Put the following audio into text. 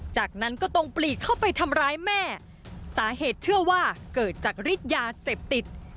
จากนั้นก็ตรงปลีกเข้าไปทำร้ายแม่สาเหตุเชื่อว่าเกิดจากฤทธิ์ยาเสพติด